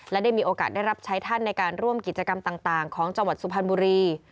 และได้มีโอกาสได้รับใช้ท่านในการร่วมกิจกรรมต่างของจังหวัดสุพรรณบุรี